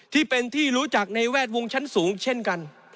ที่เป็นที่รู้จักในแวดวงชั้นสูงเช่นกัน